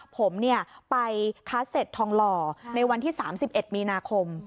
ผมไปค้าเซ็ตทองหล่อในวันที่๓๑มีนาคม